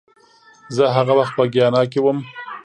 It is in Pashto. زه هغه وخت په ګیانا کې وم